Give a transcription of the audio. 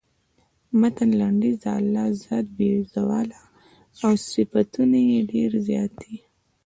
د متن لنډیز د الله ذات بې زواله او صفتونه یې ډېر زیات دي.